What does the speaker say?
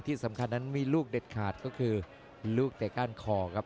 ที่สำคัญนั้นมีลูกเด็ดขาดก็คือลูกเตะก้านคอครับ